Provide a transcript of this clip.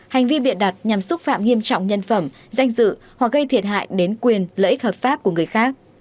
hành vi biện đặt nhằm xúc phạm nghiêm trọng nhân phẩm danh dự hoặc gây thiệt hại đến quyền lợi ích hợp pháp của người khác